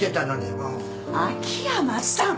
秋山さん！